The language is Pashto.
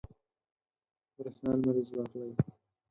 برېښنا لمریز واخلئ.